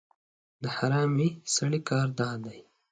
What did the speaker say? د حرامي سړي کار دا دی